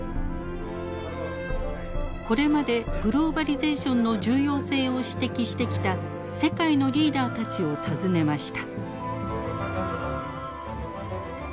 これまでグローバリゼーションの重要性を指摘してきた世界のリーダーたちを訪ねました。